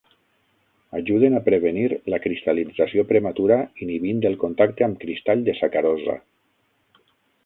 Ajuden a prevenir la cristal·lització prematura inhibint el contacte amb cristall de sacarosa.